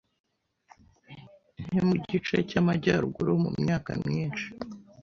nke mugice cyamajyaruguru mumyaka myinshi.